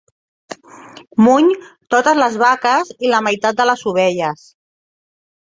Muny totes les vaques i la meitat de les ovelles.